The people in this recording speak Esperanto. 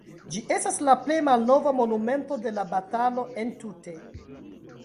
Ĝi estas la plej malnova monumento de la batalo entute.